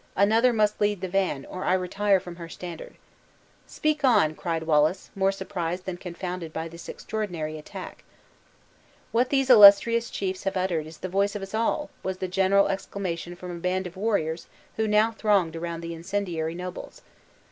Another must lead the van, or I retire from her standard." "Speak on!" cried Wallace, more surprised than confounded by this extraordinary attack. "What these illustrious chiefs have uttered, is the voice of us all!" was the general exclamation from a band of warriors who now thronged around the incendiary nobles.